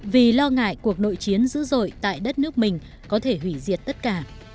vì lo ngại cuộc nội chiến dữ dội tại đất nước mình có thể hủy diệt tất cả